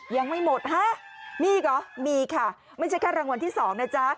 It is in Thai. ยังไม่หมดฮะมีอีกเหรอมีค่ะไม่ใช่แค่รางวัลที่สองนะจ๊ะ